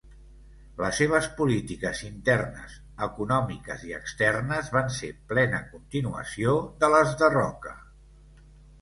Les seves polítiques internes, econòmiques i externes van ser plena continuació de les de Roca.